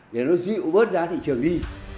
để nó dịu bớt giá thị trường đi